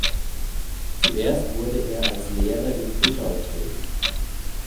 Zuerst wurde er als Lehrer in Guttau tätig.